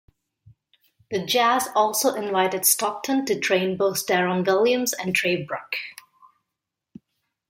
The Jazz also invited Stockton to train both Deron Williams and Trey Burke.